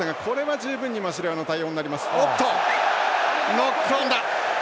ノックオンだ。